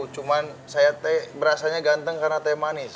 cuma saya teh berasanya ganteng karena teh manis